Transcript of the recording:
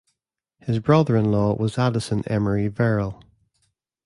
His brother in law was Addison Emery Verrill.